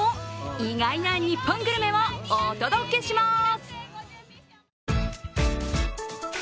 意外な日本グルメをお届けします！